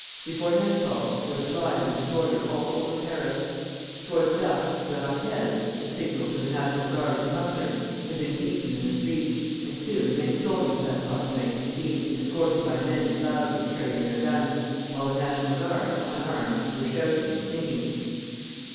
Before nightfall there was riot and disorder all over Paris. Towards dusk the rappel the signal for the National Guard to muster had been beaten in the streets, and soon many soldiers of that body might be seen, escorted by men in blouses carrying their guns, while the National Guards, unarmed, were shouting and singing.